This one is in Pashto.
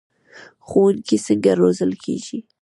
ښوونکي څنګه روزل کیږي؟